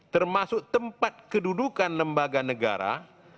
termasuk tempat kedudukan lembaga negara